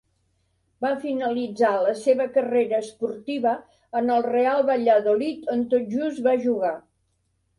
Va finalitzar la seva carrera esportiva en el Real Valladolid on tot just va jugar.